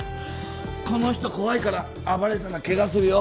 この人怖いから暴れたらけがするよ。